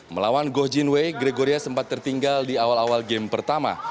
melawan goh jinwei gregoria sempat tertinggal di awal awal game pertama